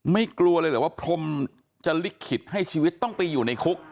กลัวเลยเหรอว่าพรมจะลิขิตให้ชีวิตต้องไปอยู่ในคุก